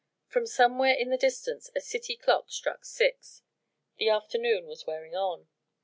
From somewhere in the distance a city clock struck six. The afternoon was wearing on.